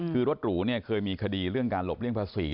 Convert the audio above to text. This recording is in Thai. คือรถหรูเนี่ยเคยมีคดีเรื่องการหลบเลี่ยงภาษี